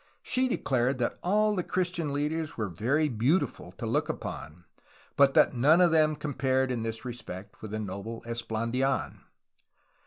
She declared that all the Christian leaders were very beautiful to look upon, but that none of them compared in this respect with the noble Esplandidn.